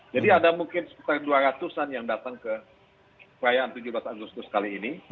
jadi ada mungkin sekitar dua ratus an yang datang ke perayaan tujuh belas agustus kali ini